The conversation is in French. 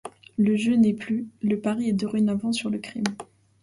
Le jeu n'est plus, le pari est dorénavant sur le crime.